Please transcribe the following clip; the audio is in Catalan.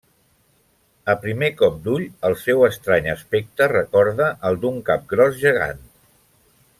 A primer cop d'ull el seu estrany aspecte recorda el d'un cap gros gegant.